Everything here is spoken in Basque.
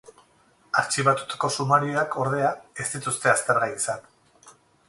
Artxibatutako sumarioak, ordea, ez dituzte aztergai izan.